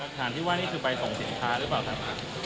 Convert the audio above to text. ฐานที่ว่านี่คือใบส่งสินค้าหรือเปล่าครับ